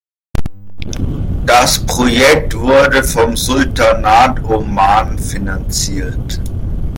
Das Projekt wurde vom Sultanat Oman finanziert.